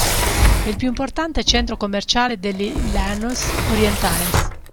È il più importante centro commerciale degli Llanos Orientales.